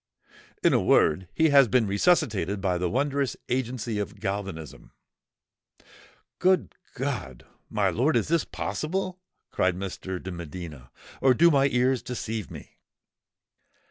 "In a word, he has been resuscitated by the wondrous agency of galvanism." "Good God! my lord—is this possible?" cried Mr. de Medina: "or do my ears deceive me?"